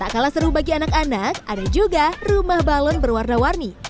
tak kalah seru bagi anak anak ada juga rumah balon berwarna warni